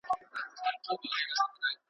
لېوانو ته غوښي چا پخ کړي دي ..